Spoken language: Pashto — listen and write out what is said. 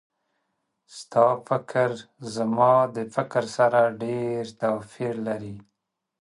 ستا فکر زما د فکر سره ډېر توپیر لري